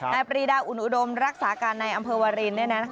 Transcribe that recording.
ปรีดาอุ่นอุดมรักษาการในอำเภอวาริน